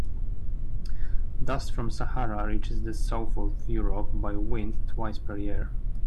Dust from Sahara reaches the south of Europe by wind twice per year.